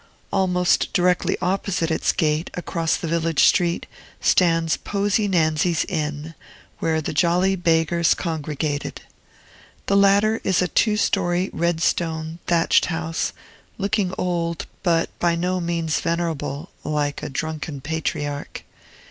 Almost directly opposite its gate, across the village street, stands Posie Nansie's inn, where the "Jolly Beggars" congregated. The latter is a two story, red stone, thatched house, looking old, but by no means venerable, like a drunken patriarch.